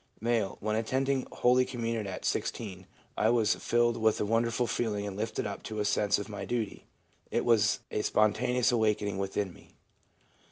M. 'When attending holy communion at 16, I was filled with a wonderful feeling and lifted up to a sense of my duty. It was a spontaneous awakening within me.'